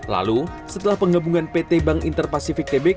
lalu setelah penggabungan pt bank interpacifik